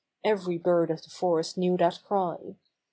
Every bird of the forest knew that cry.